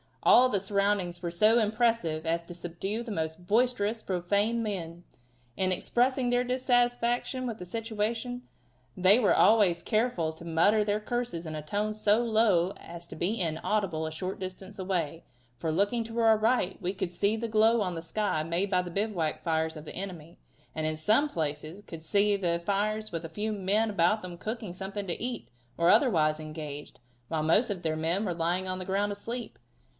All the surroundings were so impressive as to subdue the most boisterously profane men. In expressing their dissatisfaction with the situation they were always careful to mutter their curses in a tone so low as to be inaudible a short distance away, for, looking to our right, we could see the glow on the sky made by the bivouac fires of the enemy, and in some places could see the fires with a few men about them cooking something to eat, or otherwise engaged, while most of their men were lying on the ground asleep.